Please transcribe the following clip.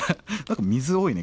水多いね